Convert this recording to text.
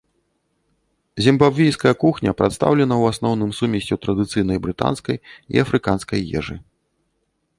Зімбабвійская кухня прадстаўлена ў асноўным сумессю традыцыйнай брытанскай і афрыканскай ежы.